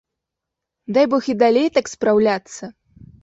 Дай бог і далей так спраўляцца!